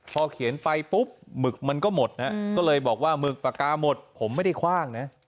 พอเขียนไปปุ๊บหมึกมันก็หมดนะก็เลยบอกว่าหมึกปากกาหมดผมไม่ได้คว่างนะ